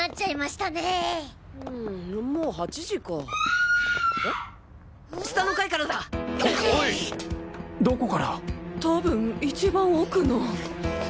たぶん一番奥の。